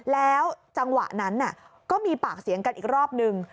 แล้วจังหวะนั้นก็มีปากเสียงกันอีกรอบนึง